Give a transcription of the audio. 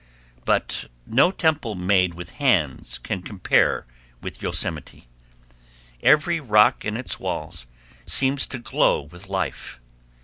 But no temple made with hands can compare with Yosemite. Every rock in its walls seems to glow with life.